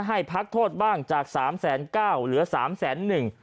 ให้พักโทษบ้างจากสามแสนเก้าเหลือสามแสนหนึ่ง